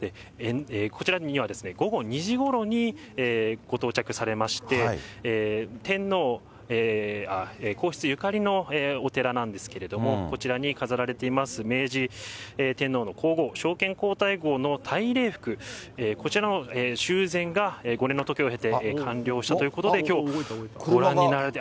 こちらには午後２時ごろにご到着されまして、皇室ゆかりのお寺なんですけれども、こちらに飾られています、明治天皇の皇后、昭憲皇太后の大礼服、こちらの修繕が５年のときを経て完了したということで、きょう、ご覧になられて。